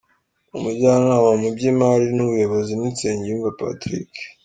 Umujyanama mu by’imari n’ubuyobozi ni Nsengiyumva Patrick.